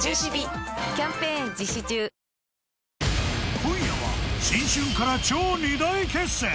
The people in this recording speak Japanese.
今夜は新春から超２大決戦！！